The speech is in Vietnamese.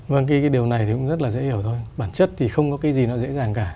vâng cái điều này thì cũng rất là dễ hiểu thôi bản chất thì không có cái gì nó dễ dàng cả